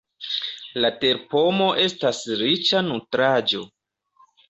La terpomo estas riĉa nutraĵo.